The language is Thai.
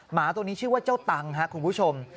หมาตัวนี้ชื่อว่าเจ้าตังครับคุณผู้ชม